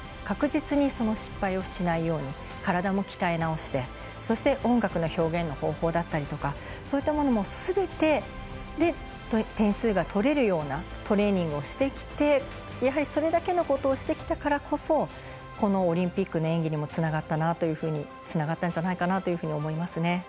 確実に失敗をしないように体も鍛えなおして、そして音楽の表現の方法だったりとかそういったものもすべて点数が取れるようなトレーニングをしてきてそれだけのことをしてきたからこそこのオリンピックの演技にもつながったんじゃないかなと思いますね。